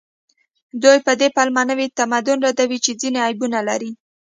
دوی په دې پلمه نوي تمدن ردوي چې ځینې عیبونه لري